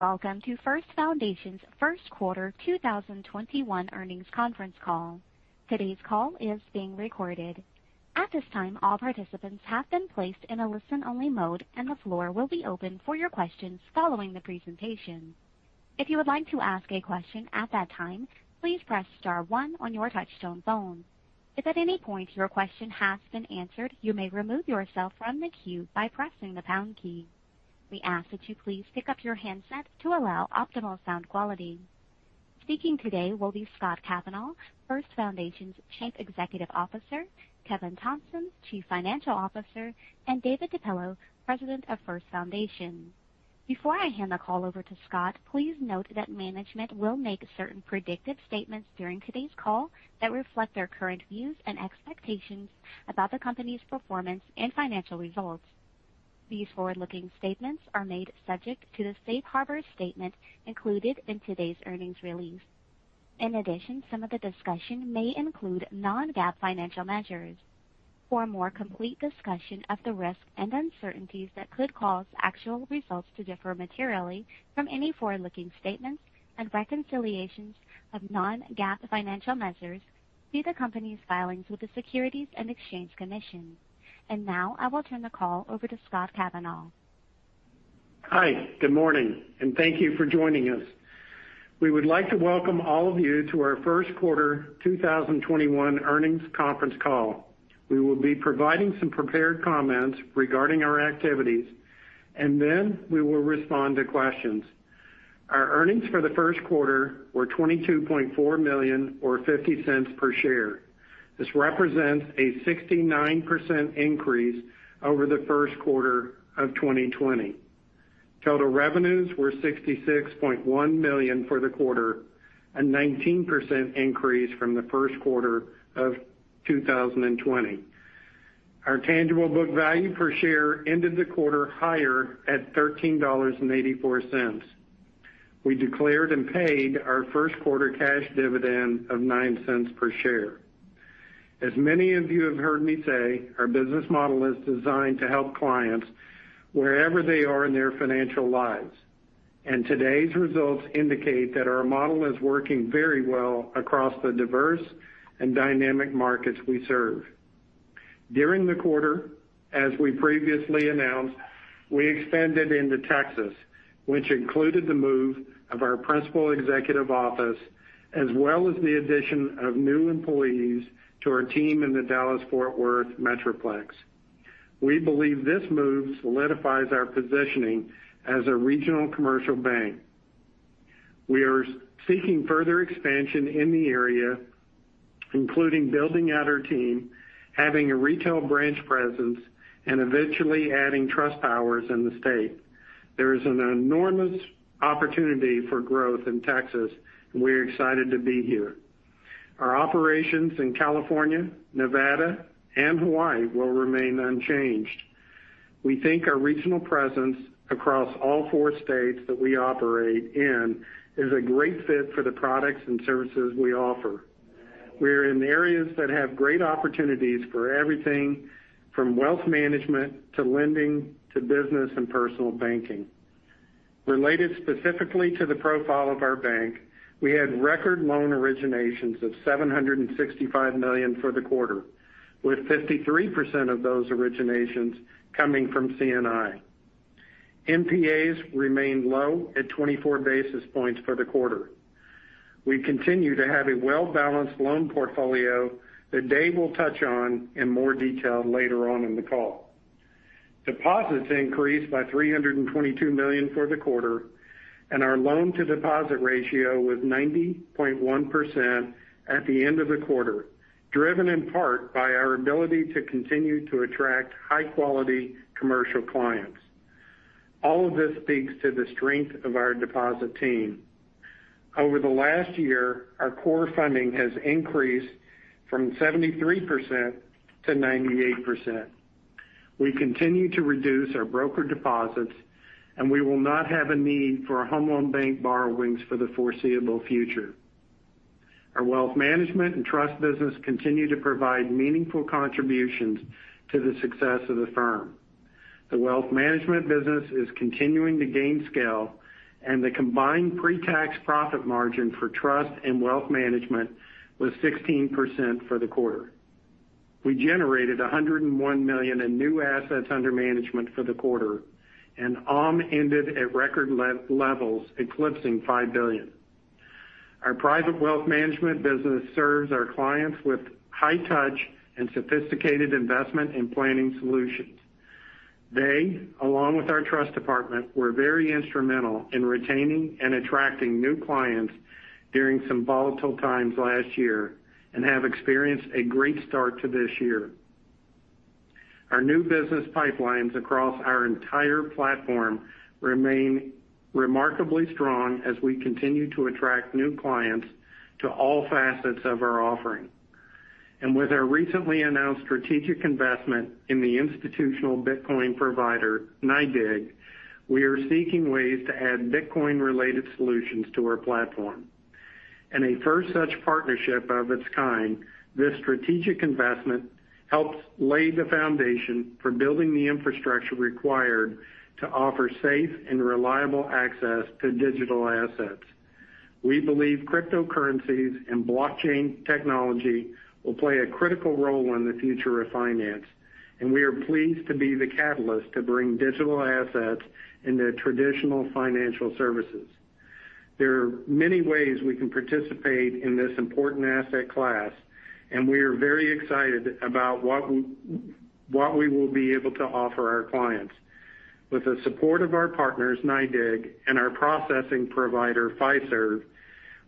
Welcome to First Foundation's First Quarter 2021 Earnings Conference Call. Today's call is being recorded. At this time, all participants have been placed in a listen-only mode, and the floor will be open for your questions following the presentation. If you would like to ask a question at that time, please press star one on your touchtone phone. If at any point your question has been answered, you may remove yourself from the queue by pressing the pound key. We ask that you please pick up your handset to allow optimal sound quality. Speaking today will be Scott Kavanaugh, First Foundation's Chief Executive Officer, Kevin Thompson, Chief Financial Officer, and David DePillo, President of First Foundation. Before I hand the call over to Scott, please note that management will make certain predictive statements during today's call that reflect their current views and expectations about the company's performance and financial results. These forward-looking statements are made subject to the safe harbor statement included in today's earnings release. In addition, some of the discussion may include non-GAAP financial measures. For a more complete discussion of the risks and uncertainties that could cause actual results to differ materially from any forward-looking statements and reconciliations of non-GAAP financial measures, see the company's filings with the Securities and Exchange Commission. Now, I will turn the call over to Scott Kavanaugh. Hi, good morning, and thank you for joining us. We would like to welcome all of you to our first quarter 2021 earnings conference call. We will be providing some prepared comments regarding our activities, and then we will respond to questions. Our earnings for the first quarter were $22.4 million, or $0.50 per share. This represents a 69% increase over the first quarter of 2020. Total revenues were $66.1 million for the quarter, a 19% increase from the first quarter of 2020. Our tangible book value per share ended the quarter higher at $13.84. We declared and paid our first quarter cash dividend of $0.09 per share. As many of you have heard me say, our business model is designed to help clients wherever they are in their financial lives. Today's results indicate that our model is working very well across the diverse and dynamic markets we serve. During the quarter, as we previously announced, we expanded into Texas, which included the move of our principal executive office, as well as the addition of new employees to our team in the Dallas-Fort Worth Metroplex. We believe this move solidifies our positioning as a regional commercial bank. We are seeking further expansion in the area, including building out our team, having a retail branch presence, and eventually adding trust powers in the state. There is an enormous opportunity for growth in Texas, and we're excited to be here. Our operations in California, Nevada, and Hawaii will remain unchanged. We think our regional presence across all four states that we operate in is a great fit for the products and services we offer. We're in areas that have great opportunities for everything from wealth management to lending to business and personal banking. Related specifically to the profile of our bank, we had record loan originations of $765 million for the quarter, with 53% of those originations coming from C&I. NPAs remained low at 24 basis points for the quarter. We continue to have a well-balanced loan portfolio that Dave will touch on in more detail later on in the call. Deposits increased by $322 million for the quarter, and our loan-to-deposit ratio was 90.1% at the end of the quarter, driven in part by our ability to continue to attract high-quality commercial clients. All of this speaks to the strength of our deposit team. Over the last year, our core funding has increased from 73%-98%. We continue to reduce our broker deposits, and we will not have a need for Home Loan Bank borrowings for the foreseeable future. Our wealth management and trust business continue to provide meaningful contributions to the success of the firm. The wealth management business is continuing to gain scale, and the combined pre-tax profit margin for trust and wealth management was 16% for the quarter. We generated $101 million in new assets under management for the quarter, and AUM ended at record levels, eclipsing $5 billion. Our private wealth management business serves our clients with high touch and sophisticated investment and planning solutions. They, along with our trust department, were very instrumental in retaining and attracting new clients during some volatile times last year and have experienced a great start to this year. Our new business pipelines across our entire platform remain remarkably strong as we continue to attract new clients to all facets of our offering. With our recently announced strategic investment in the institutional Bitcoin provider, NYDIG, we are seeking ways to add Bitcoin-related solutions to our platform. A first such partnership of its kind, this strategic investment helps lay the foundation for building the infrastructure required to offer safe and reliable access to digital assets. We believe cryptocurrencies and blockchain technology will play a critical role in the future of finance, and we are pleased to be the catalyst to bring digital assets into traditional financial services. There are many ways we can participate in this important asset class, and we are very excited about what we will be able to offer our clients. With the support of our partners, NYDIG, and our processing provider, Fiserv,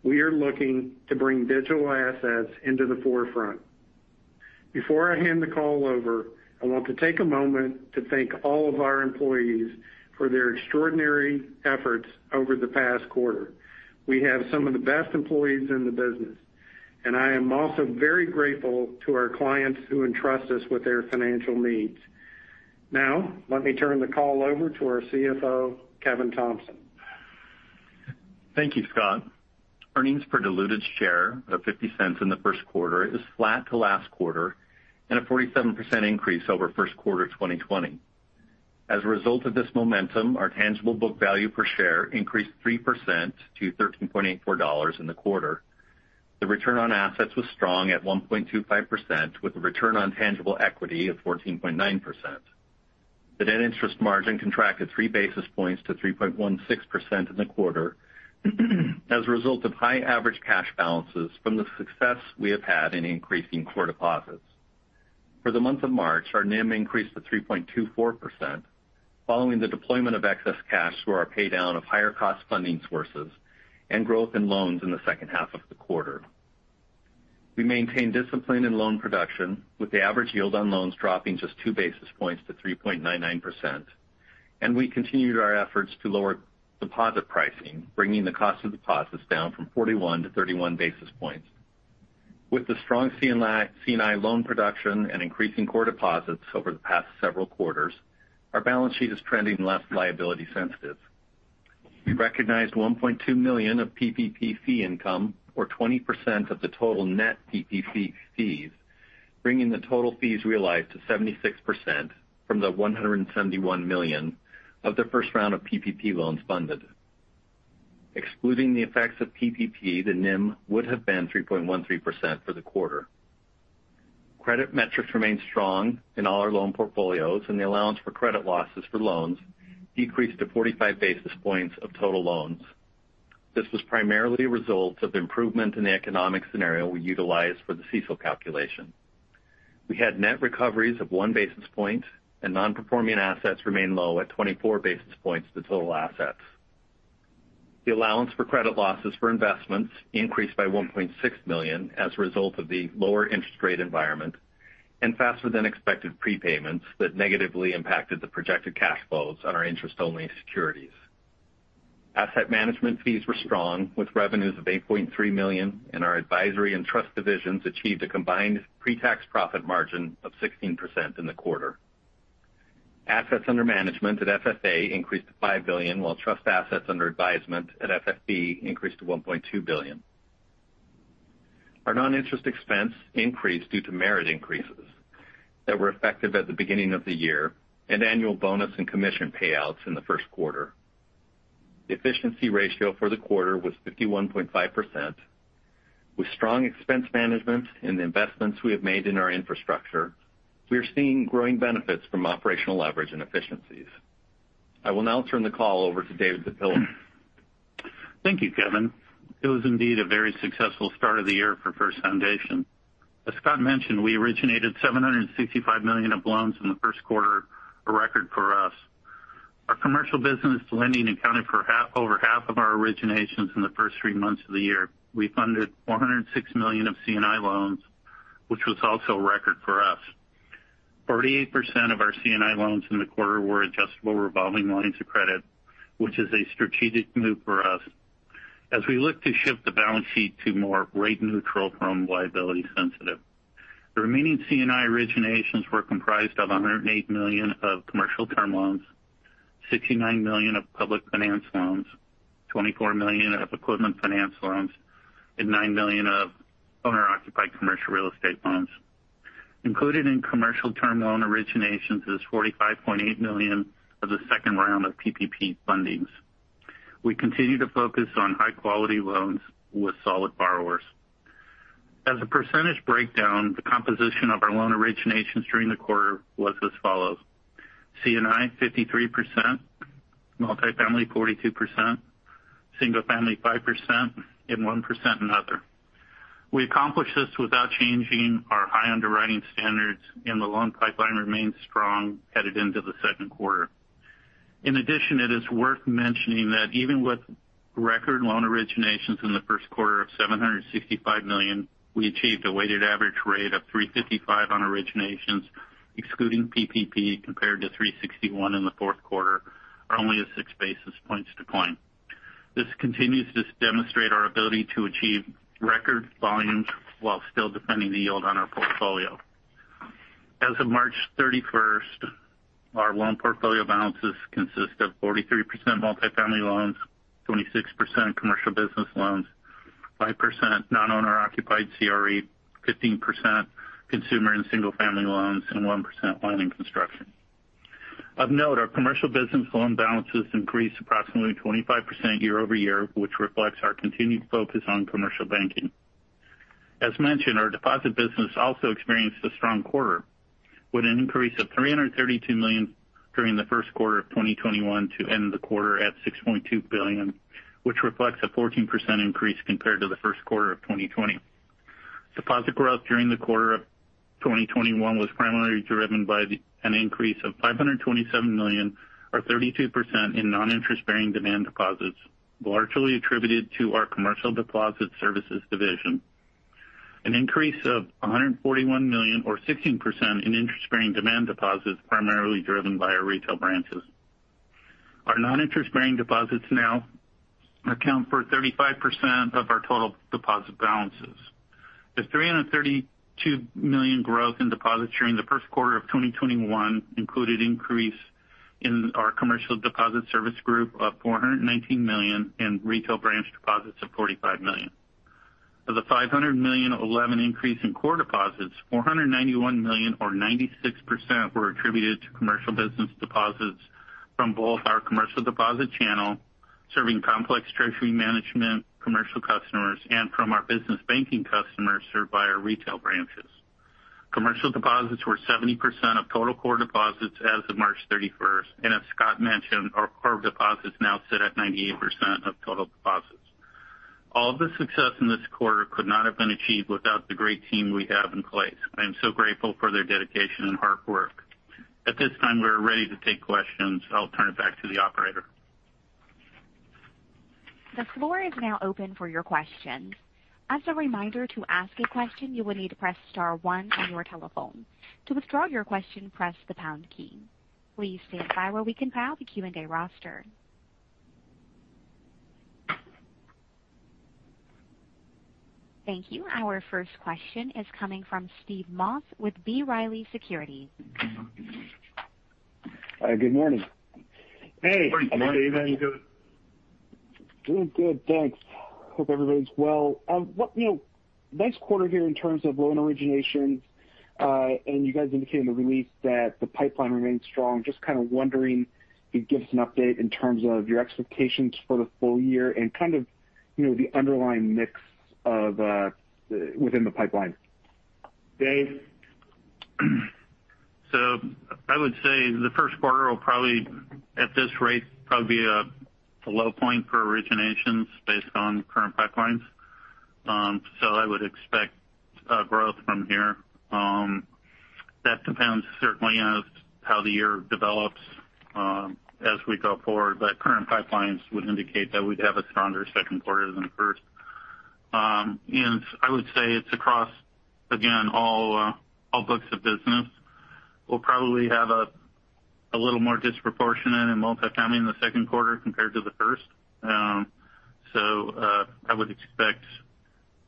we are looking to bring digital assets into the forefront. Before I hand the call over, I want to take a moment to thank all of our employees for their extraordinary efforts over the past quarter. We have some of the best employees in the business, and I am also very grateful to our clients who entrust us with their financial needs. Now, let me turn the call over to our CFO, Kevin Thompson. Thank you, Scott. Earnings per diluted share of $0.50 in the first quarter is flat to last quarter and a 47% increase over first quarter 2020. As a result of this momentum, our tangible book value per share increased 3% to $13.84 in the quarter. The return on assets was strong at 1.25%, with a return on tangible equity of 14.9%. The net interest margin contracted 3 basis points to 3.16% in the quarter as a result of high average cash balances from the success we have had in increasing core deposits. For the month of March, our NIM increased to 3.24%, following the deployment of excess cash through our pay-down of higher cost funding sources and growth in loans in the second half of the quarter. We maintained discipline in loan production, with the average yield on loans dropping just 2 basis points to 3.99%. We continued our efforts to lower deposit pricing, bringing the cost of deposits down from 41 to 31 basis points. With the strong C&I loan production and increasing core deposits over the past several quarters, our balance sheet is trending less liability sensitive. We recognized $1.2 million of PPP fee income, or 20% of the total net PPP fees, bringing the total fees realized to 76% from the $171 million of the first round of PPP loans funded. Excluding the effects of PPP, the NIM would have been 3.13% for the quarter. Credit metrics remained strong in all our loan portfolios, and the allowance for credit losses for loans decreased to 45 basis points of total loans. This was primarily a result of the improvement in the economic scenario we utilized for the CECL calculation. We had net recoveries of one basis point, and non-performing assets remained low at 24 basis points to total assets. The allowance for credit losses for investments increased by $1.6 million as a result of the lower interest rate environment and faster than expected prepayments that negatively impacted the projected cash flows on our interest-only securities. Asset management fees were strong, with revenues of $8.3 million, and our advisory and trust divisions achieved a combined pre-tax profit margin of 16% in the quarter. Assets under management at FFA increased to $5 billion, while trust assets under advisement at FFB increased to $1.2 billion. Our non-interest expense increased due to merit increases that were effective at the beginning of the year and annual bonus and commission payouts in the first quarter. The efficiency ratio for the quarter was 51.5%. With strong expense management and the investments we have made in our infrastructure, we are seeing growing benefits from operational leverage and efficiencies. I will now turn the call over to David DePillo. Thank you, Kevin. It was indeed a very successful start of the year for First Foundation. As Scott mentioned, we originated $765 million of loans in the first quarter, a record for us. Our commercial business lending accounted for over half of our originations in the first three months of the year. We funded $406 million of C&I loans, which was also a record for us. 48% of our C&I loans in the quarter were adjustable revolving lines of credit, which is a strategic move for us as we look to shift the balance sheet to more rate neutral from liability sensitive. The remaining C&I originations were comprised of $108 million of commercial term loans, $69 million of public finance loans, $24 million of equipment finance loans, and $9 million of owner-occupied commercial real estate loans. Included in commercial term loan originations is $45.8 million of the second round of PPP fundings. We continue to focus on high-quality loans with solid borrowers. As a percentage breakdown, the composition of our loan originations during the quarter was as follows: C&I 53%, multifamily 42%, single family 5%, and 1% other. We accomplished this without changing our high underwriting standards, and the loan pipeline remains strong headed into the second quarter. In addition, it is worth mentioning that even with record loan originations in the first quarter of $765 million, we achieved a weighted average rate of 355 on originations excluding PPP, compared to 361 in the fourth quarter, or only a 6 basis points decline. This continues to demonstrate our ability to achieve record volumes while still defending the yield on our portfolio. As of March 31st, our loan portfolio balances consist of 43% multifamily loans, 26% commercial business loans, 5% non-owner occupied CRE, 15% consumer and single-family loans, and 1% land and construction. Of note, our commercial business loan balances increased approximately 25% year-over-year, which reflects our continued focus on commercial banking. As mentioned, our deposit business also experienced a strong quarter, with an increase of $332 million during the first quarter of 2021 to end the quarter at $6.2 billion, which reflects a 14% increase compared to the first quarter of 2020. Deposit growth during the quarter of 2021 was primarily driven by an increase of $527 million or 32% in non-interest bearing demand deposits, largely attributed to our commercial deposit services division. An increase of $141 million or 16% in interest-bearing demand deposits, primarily driven by our retail branches. Our non-interest-bearing deposits now account for 35% of our total deposit balances. The $332 million growth in deposits during the first quarter of 2021 included increase in our commercial deposit service group of $419 million and retail branch deposits of $45 million. Of the $511 million increase in core deposits, $491 million or 96% were attributed to commercial business deposits from both our commercial deposit channel, serving complex treasury management commercial customers and from our business banking customers served by our retail branches. Commercial deposits were 70% of total core deposits as of March 31st. As Scott mentioned, our core deposits now sit at 98% of total deposits. All of the success in this quarter could not have been achieved without the great team we have in place. I am so grateful for their dedication and hard work. At this time, we're ready to take questions. I'll turn it back to the operator. The floor is now open for your questions. As a reminder, to ask a question, you will need to press star on your telephone. To withdraw your question, press the pound key. Please stand by while we compile the Q&A roster. Thank you. Our first question is coming from Steve Moss with B. Riley Securities. Good morning. Hey. Good morning. How are you doing? Doing good, thanks. Hope everybody's well. Nice quarter here in terms of loan originations. You guys indicated in the release that the pipeline remains strong. Just kind of wondering if you'd give us an update in terms of your expectations for the full year and kind of the underlying mix within the pipeline. Dave? I would say the first quarter will probably, at this rate, probably be a low point for originations based on current pipelines. I would expect growth from here. That depends certainly on how the year develops as we go forward. Current pipelines would indicate that we'd have a stronger second quarter than the first. I would say it's across, again, all books of business. We'll probably have a little more disproportionate in multifamily in the second quarter compared to the first. I would expect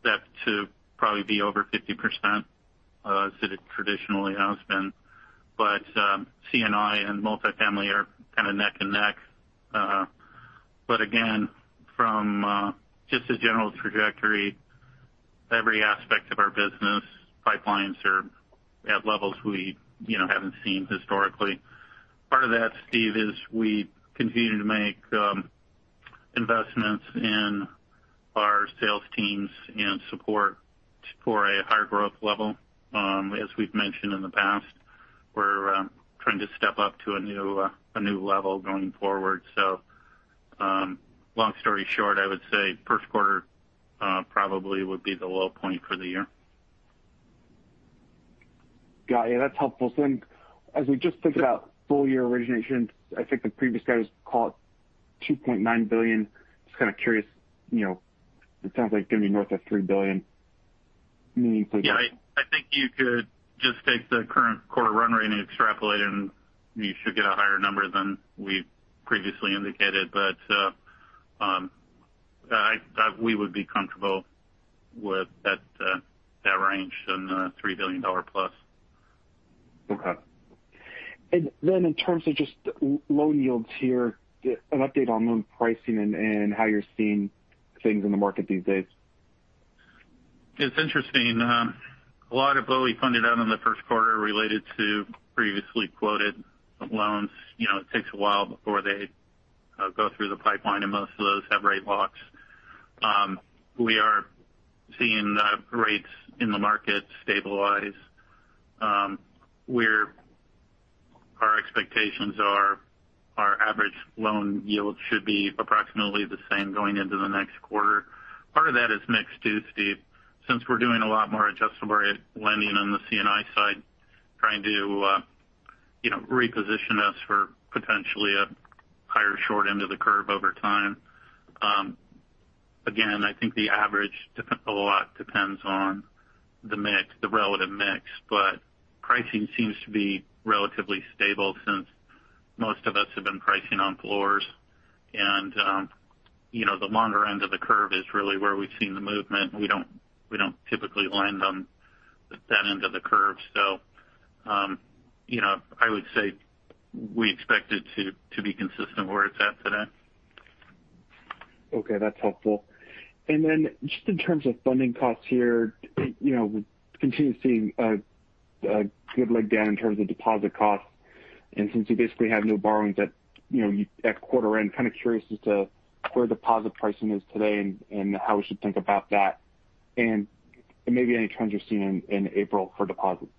that to probably be over 50%, as it traditionally has been. C&I and multifamily are kind of neck and neck. Again, from just a general trajectory, every aspect of our business pipelines are at levels we haven't seen historically. Part of that, Steve, is we continue to make investments in our sales teams and support for a higher growth level. As we've mentioned in the past, we're trying to step up to a new level going forward. Long story short, I would say first quarter probably would be the low point for the year. Got you. That's helpful. As we just think about full-year originations, I think the previous guy was calling it $2.9 billion. Just kind of curious, it sounds like it's going to be north of $3 billion meaningfully. Yeah, I think you could just take the current quarter run rate and extrapolate, and you should get a higher number than we've previously indicated. We would be comfortable with that range in the $3 billion plus. Okay. Then in terms of just loan yields here, an update on loan pricing and how you're seeing things in the market these days. It's interesting. A lot of what we funded out in the first quarter related to previously quoted loans. It takes a while before they go through the pipeline, and most of those have rate locks. We are seeing rates in the market stabilize, where our expectations are our average loan yield should be approximately the same going into the next quarter. Part of that is mix too, Steve. We're doing a lot more adjustable rate lending on the C&I side, trying to reposition us for potentially a higher short end of the curve over time. I think the average a lot depends on the mix, the relative mix, but pricing seems to be relatively stable since most of us have been pricing on floors. The longer end of the curve is really where we've seen the movement, and we don't typically lend on that end of the curve. I would say we expect it to be consistent where it's at today. Okay, that's helpful. Just in terms of funding costs here, we continue seeing a good leg down in terms of deposit costs. Since you basically have no borrowings at quarter end, kind of curious as to where deposit pricing is today and how we should think about that. Maybe any trends you're seeing in April for deposits.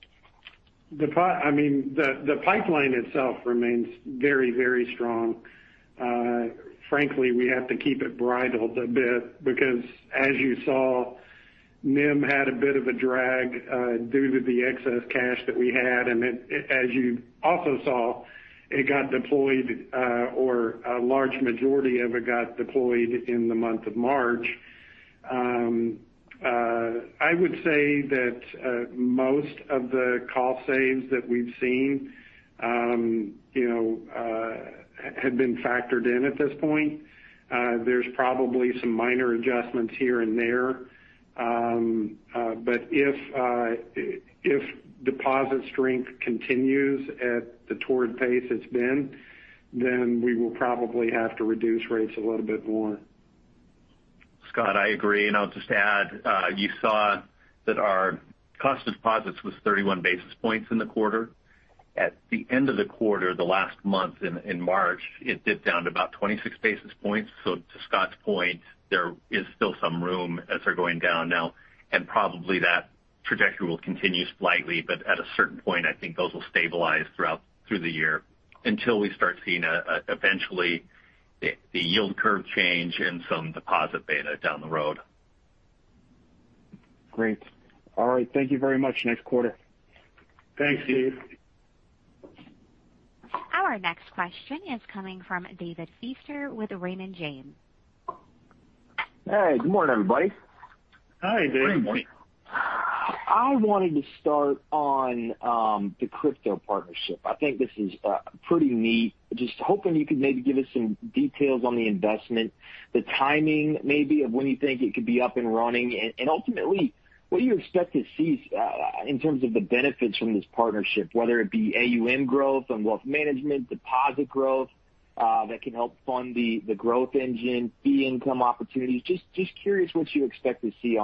The pipeline itself remains very strong. Frankly, we have to keep it bridled a bit because, as you saw, NIM had a bit of a drag due to the excess cash that we had. As you also saw, it got deployed, or a large majority of it got deployed in the month of March. I would say that most of the cost saves that we've seen have been factored in at this point. There's probably some minor adjustments here and there. If deposit strength continues at the torrid pace it's been, then we will probably have to reduce rates a little bit more. Scott, I agree. I'll just add, you saw that our cost of deposits was 31 basis points in the quarter. At the end of the quarter, the last month in March, it dipped down to about 26 basis points. To Scott's point, there is still some room as they're going down now, and probably that trajectory will continue slightly, but at a certain point, I think those will stabilize through the year until we start seeing, eventually, the yield curve change and some deposit beta down the road. Great. All right. Thank you very much. Next quarter. Thanks, Steve. Our next question is coming from David Feaster with Raymond James. Hey, good morning, everybody. Hi, Dave. Good morning. I wanted to start on the crypto partnership. I think this is pretty neat. Just hoping you could maybe give us some details on the investment, the timing maybe of when you think it could be up and running, and ultimately, what do you expect to see in terms of the benefits from this partnership, whether it be AUM growth on wealth management, deposit growth that can help fund the growth engine, fee income opportunities. Just curious what you expect to see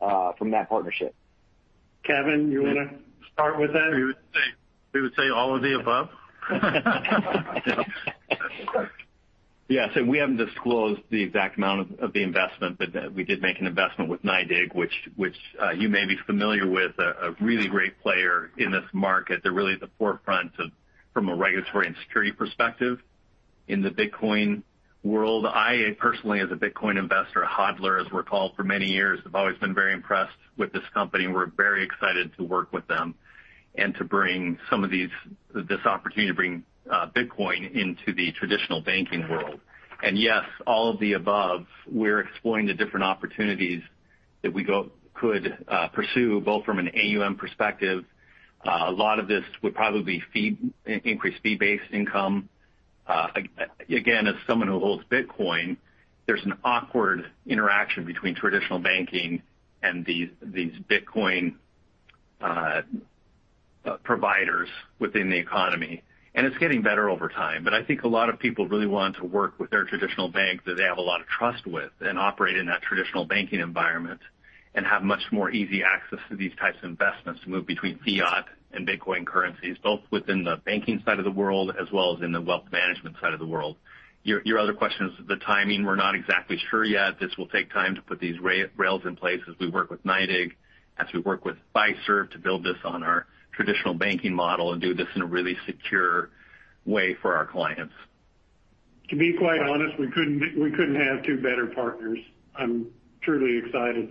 from that partnership? Kevin, you want to start with that? We would say all of the above. Yeah. We haven't disclosed the exact amount of the investment, but we did make an investment with NYDIG, which you may be familiar with. A really great player in this market. They're really at the forefront from a regulatory and security perspective in the Bitcoin world. I personally, as a Bitcoin investor, a HODLer, as we're called, for many years, have always been very impressed with this company, and we're very excited to work with them and to bring some of this opportunity to bring Bitcoin into the traditional banking world. Yes, all of the above. We're exploring the different opportunities that we could pursue, both from an AUM perspective. A lot of this would probably increase fee-based income. As someone who holds Bitcoin, there's an awkward interaction between traditional banking and these Bitcoin providers within the economy, and it's getting better over time. I think a lot of people really want to work with their traditional bank that they have a lot of trust with and operate in that traditional banking environment and have much more easy access to these types of investments to move between fiat and Bitcoin currencies, both within the banking side of the world, as well as in the wealth management side of the world. Your other question is the timing. We're not exactly sure yet. This will take time to put these rails in place as we work with NYDIG, as we work with Fiserv to build this on our traditional banking model and do this in a really secure way for our clients. To be quite honest, we couldn't have two better partners. I'm truly excited.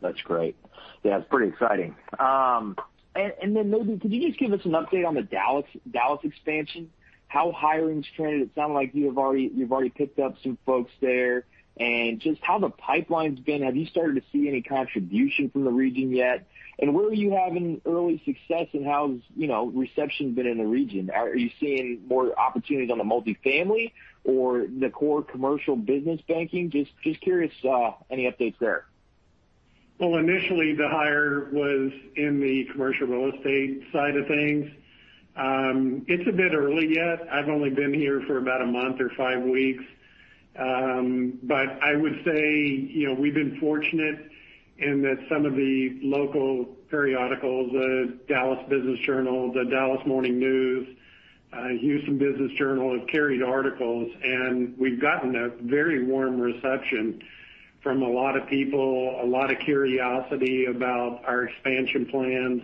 That's great. Yeah, it's pretty exciting. Maybe could you just give us an update on the Dallas expansion? How hiring's trended? It sounded like you've already picked up some folks there, and just how the pipeline's been. Have you started to see any contribution from the region yet? Where are you having early success and how has reception been in the region? Are you seeing more opportunities on the multifamily or the core commercial business banking? Just curious, any updates there? Initially, the hire was in the commercial real estate side of things. It's a bit early yet. I've only been here for about a month or five weeks. I would say we've been fortunate in that some of the local periodicals, the Dallas Business Journal, the Dallas Morning News, Houston Business Journal, have carried articles, and we've gotten a very warm reception from a lot of people, a lot of curiosity about our expansion plans.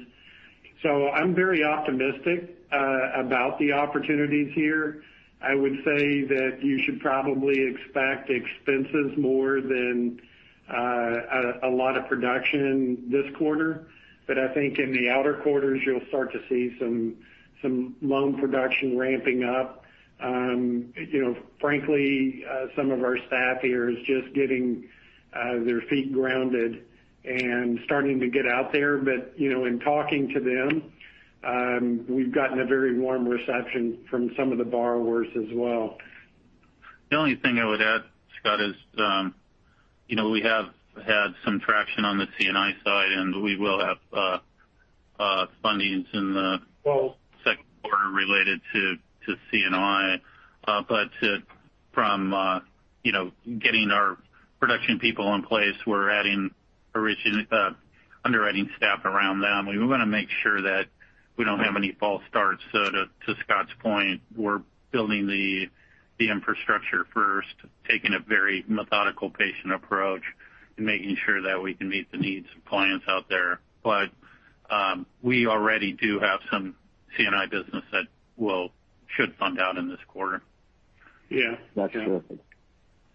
I'm very optimistic about the opportunities here. I would say that you should probably expect expenses more than a lot of production this quarter. I think in the outer quarters, you'll start to see some loan production ramping up. Frankly, some of our staff here is just getting their feet grounded and starting to get out there. In talking to them, we've gotten a very warm reception from some of the borrowers as well. The only thing I would add, Scott, is we have had some traction on the C&I side, and we will have fundings in the second quarter related to C&I. From getting our production people in place, we're adding underwriting staff around them. We want to make sure that we don't have any false starts. To Scott's point, we're building the infrastructure first, taking a very methodical, patient approach and making sure that we can meet the needs of clients out there. We already do have some C&I business that should fund out in this quarter. Yeah. That's terrific. I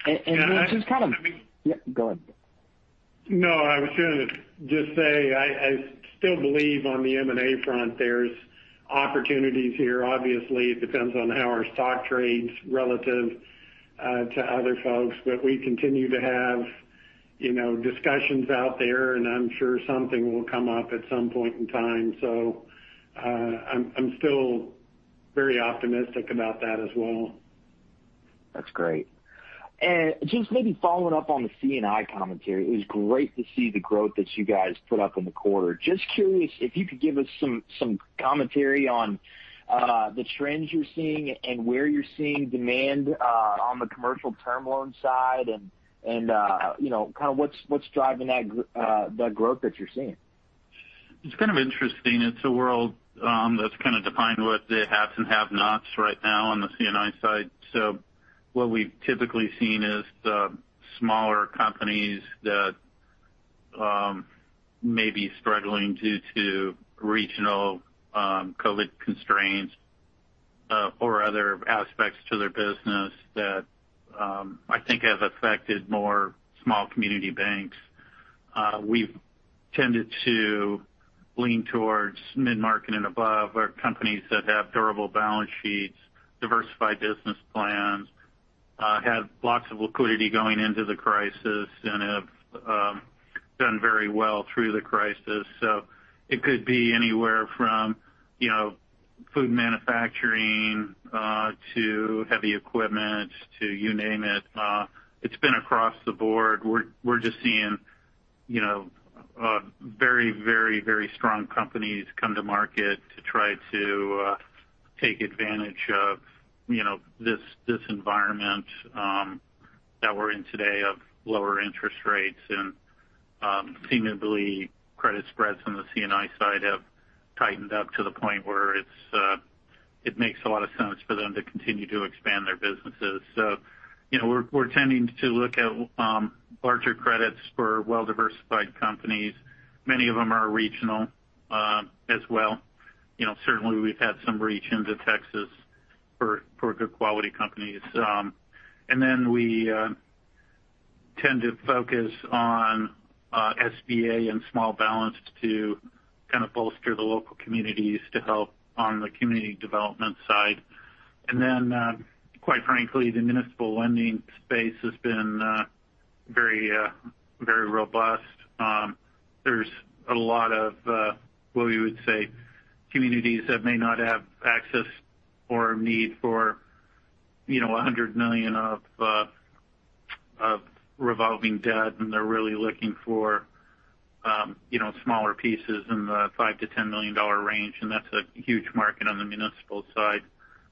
mean- Yeah, go ahead. No, I was going to just say I still believe on the M&A front there's opportunities here. Obviously, it depends on how our stock trades relative to other folks. We continue to have discussions out there, and I'm sure something will come up at some point in time. I'm still very optimistic about that as well. That's great. Just maybe following up on the C&I commentary, it was great to see the growth that you guys put up in the quarter. Just curious if you could give us some commentary on the trends you're seeing and where you're seeing demand on the commercial term loan side and kind of what's driving that growth that you're seeing. It's kind of interesting. It's a world that's kind of defined with the haves and have-nots right now on the C&I side. What we've typically seen is the smaller companies that may be struggling due to regional COVID constraints or other aspects to their business that I think have affected more small community banks. We've tended to lean towards mid-market and above or companies that have durable balance sheets, diversified business plans, had blocks of liquidity going into the crisis, and have done very well through the crisis. It could be anywhere from food manufacturing to heavy equipment to you name it. It's been across the board. We're just seeing very strong companies come to market to try to take advantage of this environment that we're in today of lower interest rates. Seemingly credit spreads on the C&I side have tightened up to the point where it makes a lot of sense for them to continue to expand their businesses. We're tending to look at larger credits for well-diversified companies. Many of them are regional as well. Certainly, we've had some reach into Texas for good quality companies. We tend to focus on SBA and small balance to kind of bolster the local communities to help on the community development side. Quite frankly, the municipal lending space has been very robust. There's a lot of what we would say, communities that may not have access or a need for $100 million of revolving debt, and they're really looking for smaller pieces in the $5 million-$10 million range. That's a huge market on the municipal side.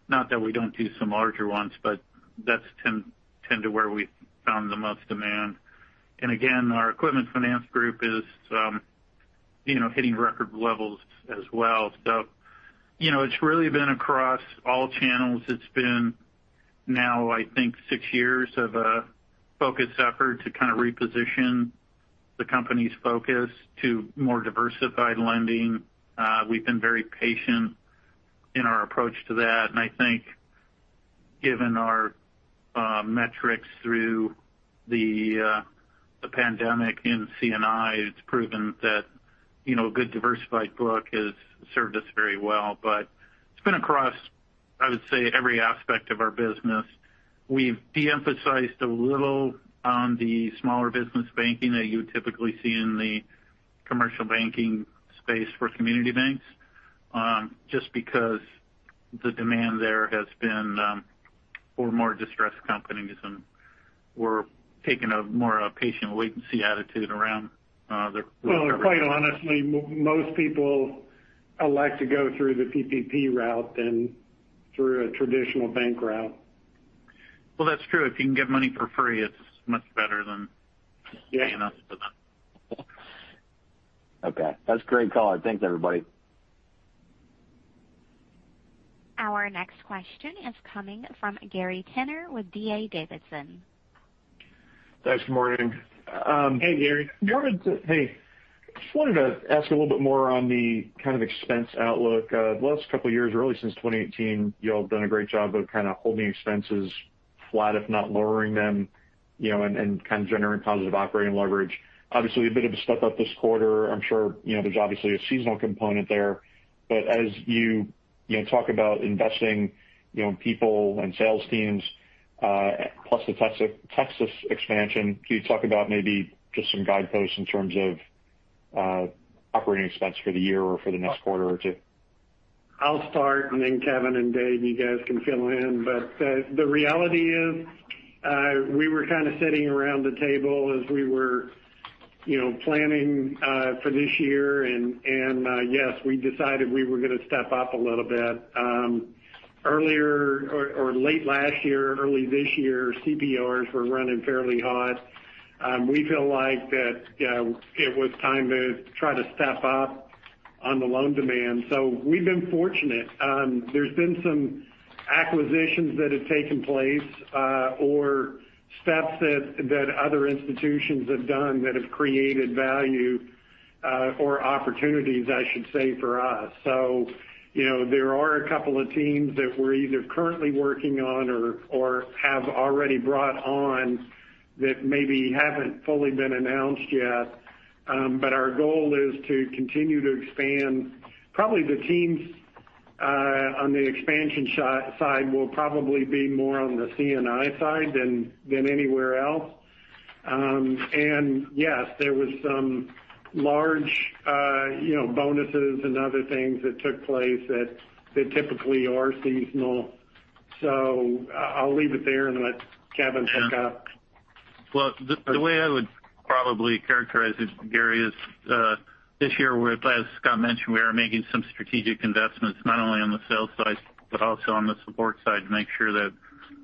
Not that we don't do some larger ones, but that's tend to where we found the most demand. Again, our equipment finance group is hitting record levels as well. It's really been across all channels. It's been now I think six years of a focused effort to kind of reposition the company's focus to more diversified lending. We've been very patient in our approach to that. I think given our metrics through the pandemic in C&I, it's proven that a good diversified book has served us very well. It's been across, I would say, every aspect of our business. We've de-emphasized a little on the smaller business banking that you would typically see in the commercial banking space for community banks just because the demand there has been for more distressed companies, and we're taking a more patient wait-and-see attitude around the recovery. Well, quite honestly, most people elect to go through the PPP route than through a traditional bank route. That's true. If you can get money for free, it's much better than paying us for that. Okay. That's a great call. Thanks, everybody. Our next question is coming from Gary Tenner with D.A. Davidson. Thanks. Good morning. Hey, Gary. Hey. Just wanted to ask a little bit more on the kind of expense outlook. The last couple of years, really since 2018, you all have done a great job of kind of holding expenses flat, if not lowering them, and kind of generating positive operating leverage. Obviously a bit of a step up this quarter. I'm sure there's obviously a seasonal component there. As you talk about investing in people and sales teams, plus the Texas expansion, can you talk about maybe just some guideposts in terms of operating expense for the year or for the next quarter or two? I'll start. Kevin and Dave, you guys can fill in. The reality is, we were kind of sitting around the table as we were planning for this year, and yes, we decided we were going to step up a little bit. Earlier or late last year, early this year, CPRs were running fairly hot. We feel like that it was time to try to step up on the loan demand. We've been fortunate. There's been some acquisitions that have taken place, or steps that other institutions have done that have created value, or opportunities, I should say, for us. There are a couple of teams that we're either currently working on or have already brought on that maybe haven't fully been announced yet. Our goal is to continue to expand. Probably the teams on the expansion side will probably be more on the C&I side than anywhere else. Yes, there was some large bonuses and other things that took place that typically are seasonal. I'll leave it there and let Kevin pick up. The way I would probably characterize it, Gary, is this year, as Scott mentioned, we are making some strategic investments not only on the sales side, but also on the support side to make sure that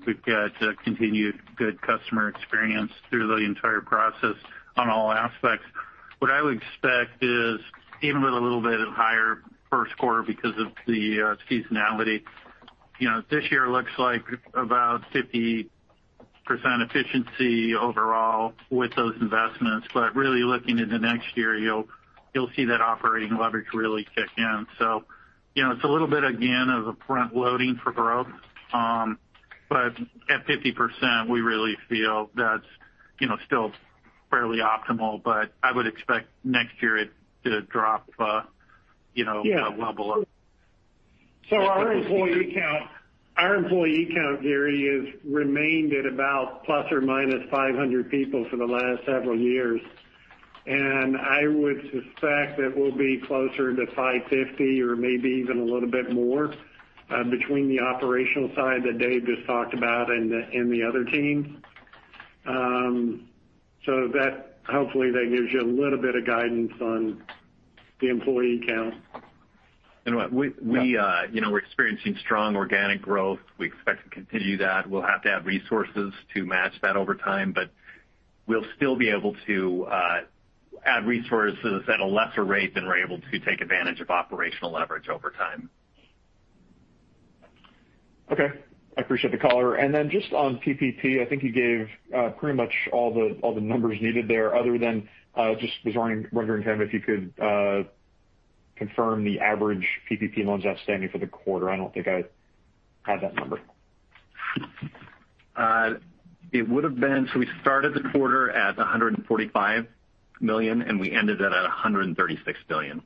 we've got continued good customer experience through the entire process on all aspects. What I would expect is even with a little bit of higher first quarter because of the seasonality. This year looks like about 50% efficiency overall with those investments. Really looking into next year, you'll see that operating leverage really kick in. It's a little bit, again, of a front-loading for growth. At 50%, we really feel that's still fairly optimal. I would expect next year it to drop a level. Our employee count, Gary Tenner, has remained at about ±500 people for the last several years. I would suspect that we'll be closer to 550 or maybe even a little bit more between the operational side that Dave just talked about and the other teams. Hopefully that gives you a little bit of guidance on the employee count. What we're experiencing strong organic growth. We expect to continue that. We'll have to add resources to match that over time, but we'll still be able to add resources at a lesser rate than we're able to take advantage of operational leverage over time. Okay. I appreciate the color. Then just on PPP, I think you gave pretty much all the numbers needed there other than just was wondering, Kevin, if you could confirm the average PPP loans outstanding for the quarter. I don't think I had that number. We started the quarter at $145 million, and we ended it at $136 billion.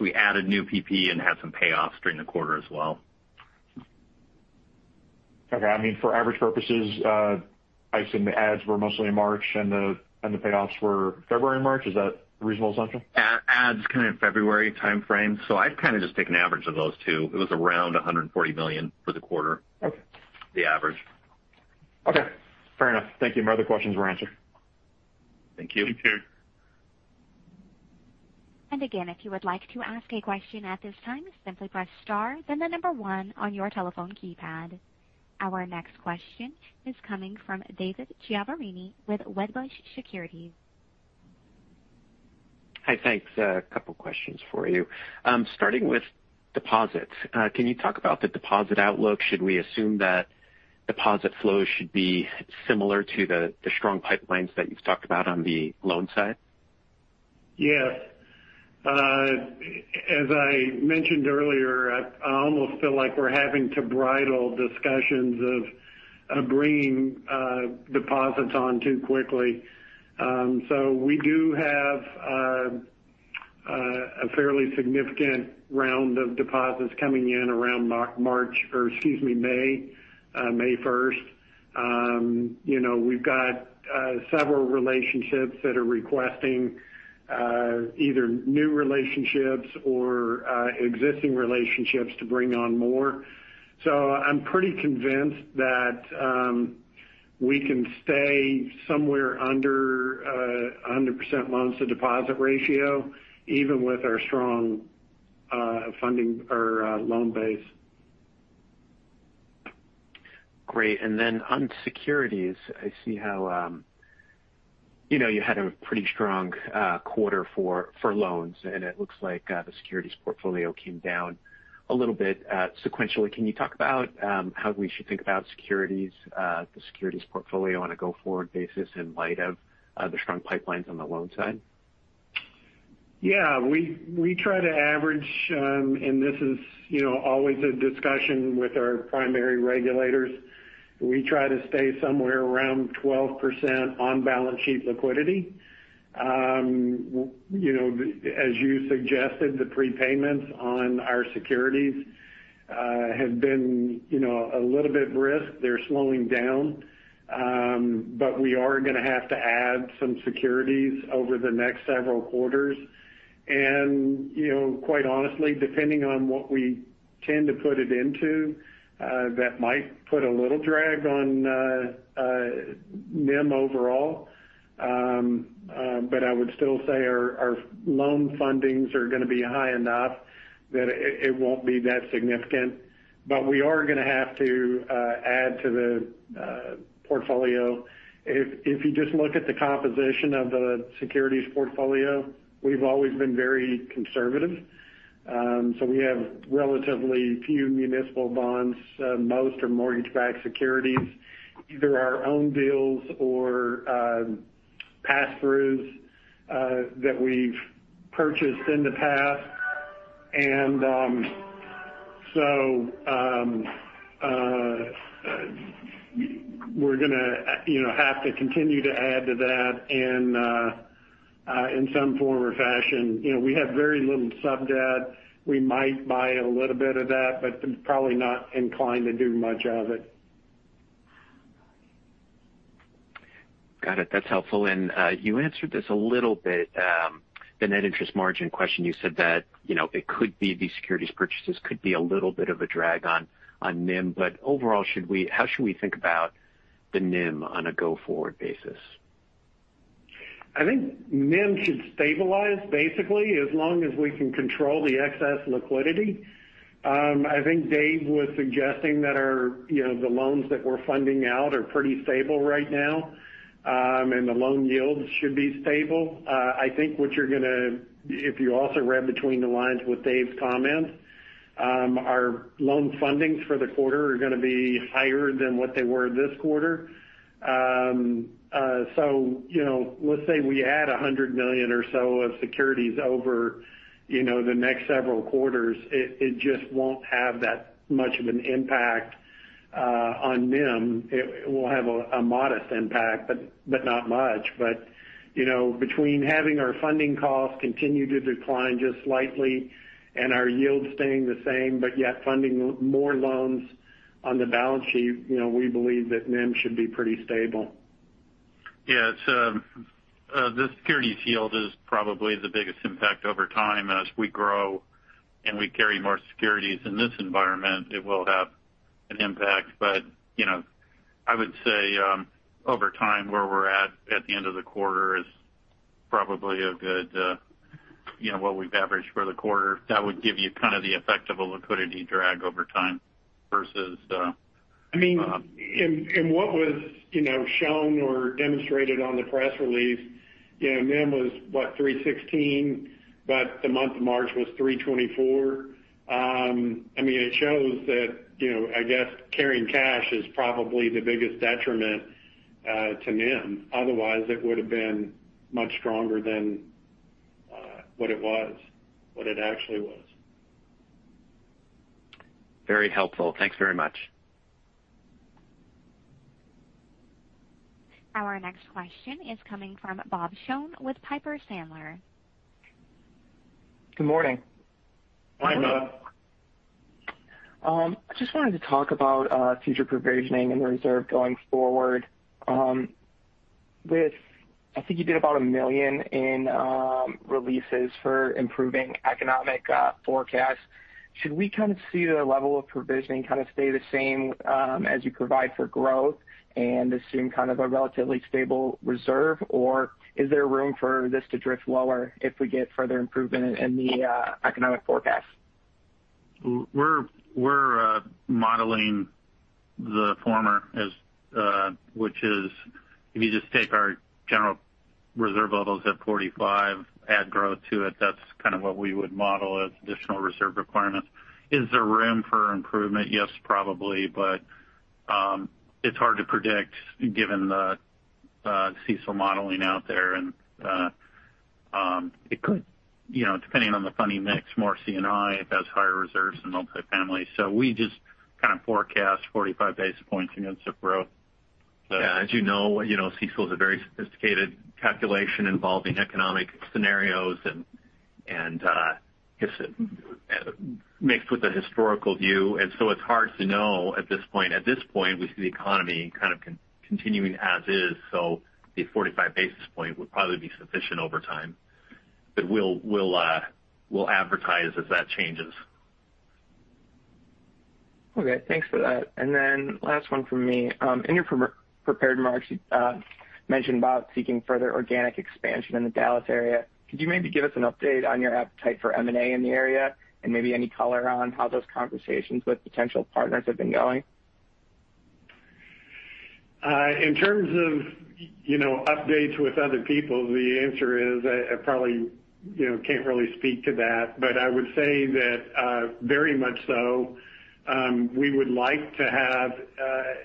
We added new PPP and had some payoffs during the quarter as well. Okay. I mean, for average purposes, I assume the adds were mostly in March and the payoffs were February and March. Is that a reasonable assumption? Adds kind of February timeframe. I'd kind of just take an average of those two. It was around $140 million for the quarter. Okay. The average. Okay, fair enough. Thank you. My other questions were answered. Thank you. Thank you. Again, if you would like to ask a question at this time, simply press star then the number one on your telephone keypad. Our next question is coming from David Chiaverini with Wedbush Securities. Hi, thanks. A couple questions for you. Starting with deposits. Can you talk about the deposit outlook? Should we assume that deposit flow should be similar to the strong pipelines that you've talked about on the loan side? Yes. As I mentioned earlier, I almost feel like we're having to bridle discussions of bringing deposits on too quickly. We do have a fairly significant round of deposits coming in around March, or excuse me, May 1st. We've got several relationships that are requesting either new relationships or existing relationships to bring on more. I'm pretty convinced that we can stay somewhere under 100% loans to deposit ratio, even with our strong funding or loan base. Great. On securities, I see how you had a pretty strong quarter for loans, and it looks like the securities portfolio came down a little bit sequentially. Can you talk about how we should think about the securities portfolio on a go-forward basis in light of the strong pipelines on the loan side? Yeah, we try to average, and this is always a discussion with our primary regulators. We try to stay somewhere around 12% on-balance sheet liquidity. As you suggested, the prepayments on our securities have been a little bit brisk. They're slowing down. We are going to have to add some securities over the next several quarters. Quite honestly, depending on what we tend to put it into, that might put a little drag on NIM overall. I would still say our loan fundings are going to be high enough that it won't be that significant. We are going to have to add to the portfolio. If you just look at the composition of the securities portfolio, we've always been very conservative. We have relatively few municipal bonds. Most are mortgage-backed securities, either our own deals or pass-throughs that we've purchased in the past. We're going to have to continue to add to that in some form or fashion. We have very little sub-debt. We might buy a little bit of that, but probably not inclined to do much of it. Got it. That's helpful. You answered this a little bit, the net interest margin question. You said that it could be these securities purchases could be a little bit of a drag on NIM. Overall, how should we think about the NIM on a go-forward basis? I think NIM should stabilize basically as long as we can control the excess liquidity. I think Dave was suggesting that the loans that we're funding out are pretty stable right now, and the loan yields should be stable. I think if you also read between the lines with Dave's comments, our loan fundings for the quarter are going to be higher than what they were this quarter. Let's say we add $100 million or so of securities over the next several quarters. It just won't have that much of an impact on NIM. It will have a modest impact, but not much. Between having our funding costs continue to decline just slightly and our yields staying the same, but yet funding more loans on the balance sheet, we believe that NIM should be pretty stable. Yes. The securities yield is probably the biggest impact over time. As we grow and we carry more securities in this environment, it will have an impact. I would say, over time, where we're at at the end of the quarter is probably what we've averaged for the quarter. That would give you kind of the effect of a liquidity drag over time versus. I mean, in what was shown or demonstrated on the press release, NIM was what, 316. The month of March was 324. It shows that, I guess carrying cash is probably the biggest detriment to NIM. Otherwise, it would have been much stronger than what it actually was. Very helpful. Thanks very much. Our next question is coming from Bob Shone with Piper Sandler. Good morning. Morning, Bob. I just wanted to talk about future provisioning and the reserve going forward. I think you did about $1 million in releases for improving economic forecasts. Should we kind of see the level of provisioning kind of stay the same as you provide for growth and assume kind of a relatively stable reserve? Is there room for this to drift lower if we get further improvement in the economic forecast? We're modeling the former, which is if you just take our general reserve levels at 45, add growth to it, that's kind of what we would model as additional reserve requirements. Is there room for improvement? Yes, probably, but it's hard to predict given the CECL modeling out there, and depending on the funding mix, more C&I, it has higher reserves than multifamily. We just kind of forecast 45 basis points against the growth. Yeah. As you know, CECL is a very sophisticated calculation involving economic scenarios and mixed with a historical view. It's hard to know at this point. At this point, we see the economy kind of continuing as is. The 45 basis point would probably be sufficient over time. We'll advertise as that changes. Okay. Thanks for that. Last one from me. In your prepared remarks, you mentioned about seeking further organic expansion in the Dallas area. Could you maybe give us an update on your appetite for M&A in the area and maybe any color on how those conversations with potential partners have been going? In terms of updates with other people, the answer is I probably can't really speak to that. I would say that very much so, we would like to have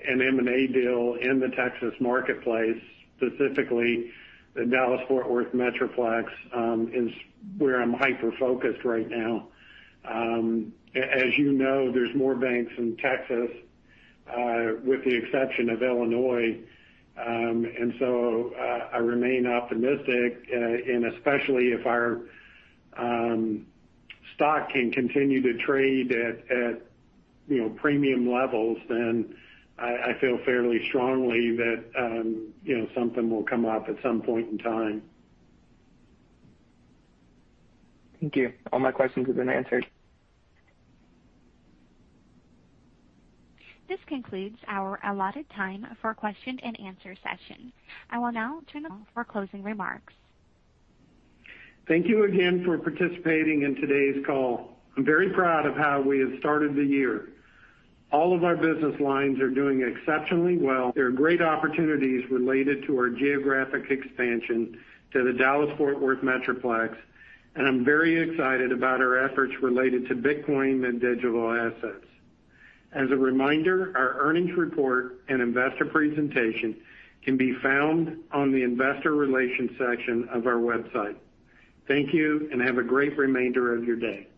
an M&A deal in the Texas marketplace, specifically the Dallas-Fort Worth Metroplex is where I'm hyper-focused right now. As you know, there's more banks in Texas, with the exception of Illinois. I remain optimistic, and especially if our stock can continue to trade at premium levels, then I feel fairly strongly that something will come up at some point in time. Thank you. All my questions have been answered. This concludes our allotted time for question and answer session. I will now turn to for closing remarks. Thank you again for participating in today's call. I'm very proud of how we have started the year. All of our business lines are doing exceptionally well. There are great opportunities related to our geographic expansion to the Dallas-Fort Worth Metroplex, and I'm very excited about our efforts related to Bitcoin and digital assets. As a reminder, our earnings report and investor presentation can be found on the investor relations section of our website. Thank you, and have a great remainder of your day.